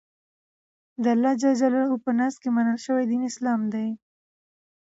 دالله ج په نزد منل شوى دين اسلام دى.